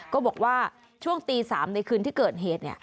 ก็บอกว่าช่วงตี๓ในคืนที่เกิดเหตุ